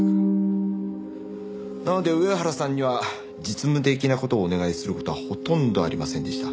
なので上原さんには実務的な事をお願いする事はほとんどありませんでした。